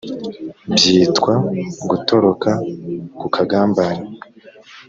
byitwa gutoroka ku kagambane